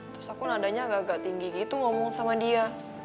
terus aku nadanya agak agak tinggi gitu ngomong sama dia